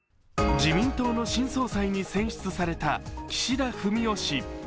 自民党の新総裁に選出された岸田文雄氏。